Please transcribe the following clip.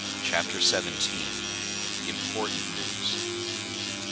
CHAPTER SEVENTEEN. IMPORTANT NEWS.